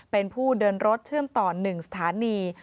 เป็นผู้เดินรถเชื่อมต่อ๑สถานี